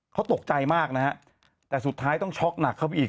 เขาตกใจมากนะฮะแต่สุดท้ายต้องช็อกหนักเข้าไปอีก